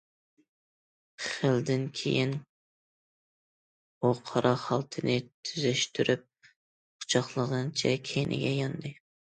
خېلىدىن كېيىن ئۇ قارا خالتىنى تۈزەشتۈرۈپ قۇچاقلىغىنىچە كەينىگە ياندى.